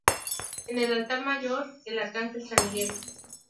En el altar mayor, el Arcángel San Miguel.